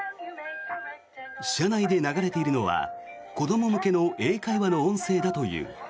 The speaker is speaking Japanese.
車内で流れているのは子ども向けの英会話の音声だという。